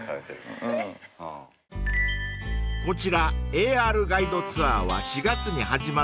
［こちらＡＲガイドツアーは４月に始まったばかり］